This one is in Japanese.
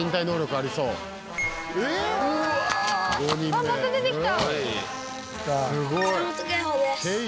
あっまた出てきた！